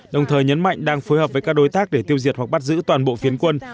đồng thời nhấn mạnh đang phối hợp với các đối tác để tiêu diệt hoặc bắt giữ toàn bộ phiến quân